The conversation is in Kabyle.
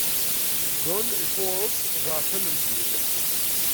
John ifuṛes ḍḍeɛfan n Bill.